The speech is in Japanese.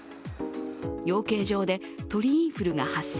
養鶏場で鳥インフルが発生。